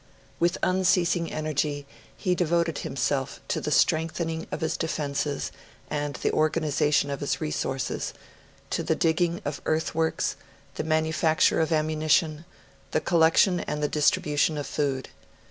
With unceasing energy he devoted himself to the strengthening of his defences and the organisation of his resources to the digging of earthworks, the manufacture of ammunition, the collection and the distribution of food.